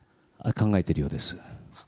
考えているようです。